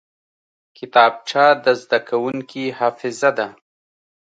کتابچه د زده کوونکي حافظه ده